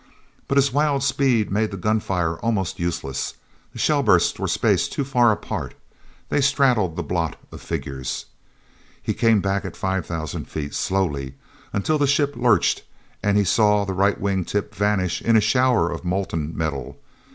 But his wild speed made the gunfire almost useless. The shell bursts were spaced too far apart; they straddled the blot of figures. He came back at five thousand feet, slowly—until the ship lurched, and he saw the right wing tip vanish in a shower of molten metal.